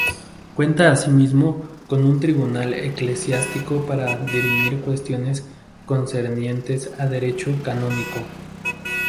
Cuenta asimismo con un Tribunal Eclesiástico para dirimir cuestiones concernientes a derecho canónico.